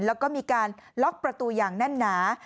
แล้วก็มีการล็อกประตูอย่างแน่นหนา